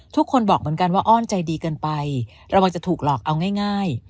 ทุกคนบอกเหมือนกันว่าอ้อนใจดีเกินไประวังจะถูกหลอกเอาง่าย